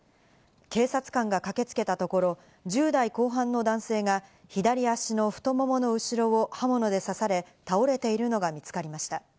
警察官が駆けつけたところ、１０代後半の男性が左足の太ももの後ろを刃物で刺され倒れているのが見つかりました。